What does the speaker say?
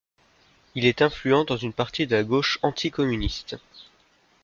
Il est influent dans une partie de la gauche anti-communiste.